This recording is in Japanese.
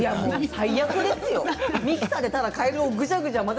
最悪ですよ。